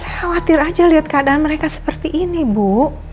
saya khawatir aja lihat keadaan mereka seperti ini bu